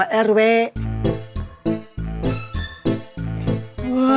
masukin tasnya papa ke dalam